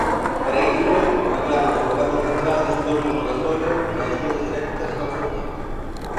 Para iso reclaman ao Goberno central descontos no gasóleo e axudas directas ao sector.